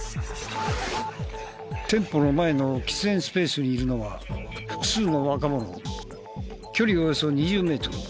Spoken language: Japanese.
店舗の前の喫煙スペースにいるのは距離およそ２０メートル。